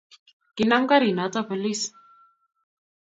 Kinam karinoto polis.